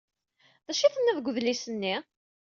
D acu ay tenniḍ deg wedlis-nni?